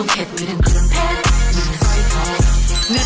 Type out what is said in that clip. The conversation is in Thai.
โอ้โหโอ้โห